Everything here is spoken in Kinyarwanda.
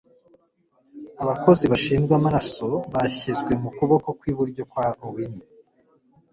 abakozi bashinzwe amasaro bashyizwe mu kuboko kw'iburyo kwa owiny